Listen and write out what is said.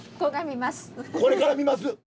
これから見ます？